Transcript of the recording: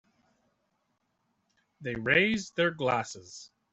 They raise their glasses.